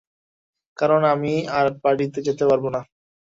কারণ আমি আর পার্টিতে যেতে পারবো না।